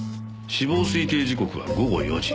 死亡推定時刻は午後４時。